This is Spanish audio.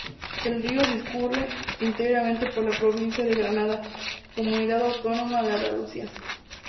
El río discurre íntegramente por la provincia de Granada, comunidad autónoma de Andalucía.